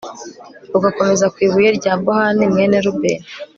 rugakomeza ku ibuye rya bohani mwene rubeni